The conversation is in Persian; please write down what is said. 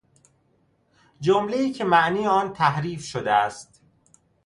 جملهای که معنی آن تحریف شده است